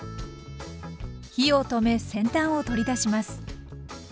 火を止め先端を取り出します。